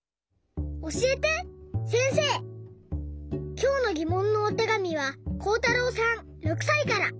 きょうのぎもんのおてがみはこうたろうさん６さいから。